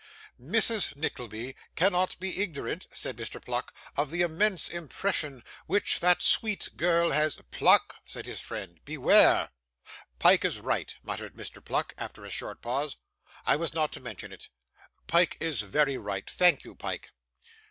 'Mrs. Nickleby cannot be ignorant,' said Mr. Pluck, 'of the immense impression which that sweet girl has ' 'Pluck!' said his friend, 'beware!' 'Pyke is right,' muttered Mr. Pluck, after a short pause; 'I was not to mention it. Pyke is very right. Thank you, Pyke.